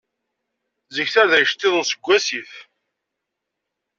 Zik, tarda n yicettiḍen seg wasif.